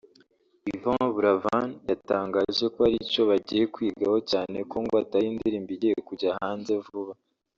Yvan Buravan yatangaje ko ari cyo bagiye kwigaho cyane ko ngo atari indirimbo igiye kujya hanze vuba